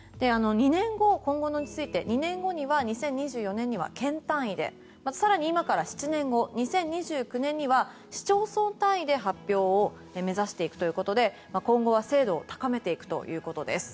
今後について２年後には２０２４年には県単位で更に今から７年後２０２９年には、市町村単位で発表を目指していくということで今後は精度を高めていくということです。